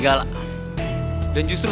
gak enak tau